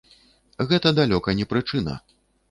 Гэта далёка не прычына.